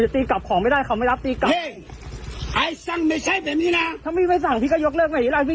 ต้องพอดเสื้อเจราะจักรเลยเหรอ